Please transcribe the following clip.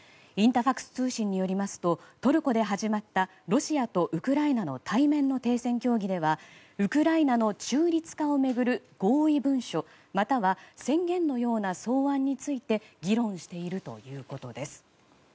インタファクス通信によりますとトルコで始まったロシアとウクライナの対面の停戦協議ではウクライナの中立化を巡る合意文書または宣言のような草案について議論しているということです。